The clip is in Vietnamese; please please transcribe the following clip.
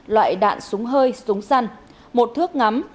loại đạn súng hơi súng săn